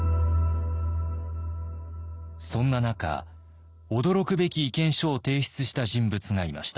そんな中驚くべき意見書を提出した人物がいました。